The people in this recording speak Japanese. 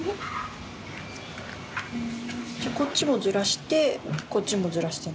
こっちをずらしてこっちもずらして。